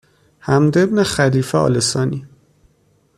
حمد بن خلیفه آل ثانی